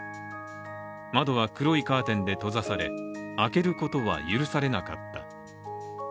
窓は黒いカーテンで閉ざされ開けることは許されなかった。